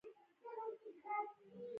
په یخ ځای کې مالګه کلکه پاتې کېږي.